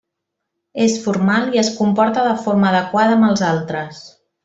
És formal i es comporta de forma adequada amb els altres.